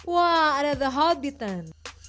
wah ada the hobbitan